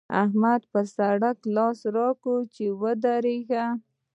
احمد پر سړک لاس راکړ چې ودرېږه!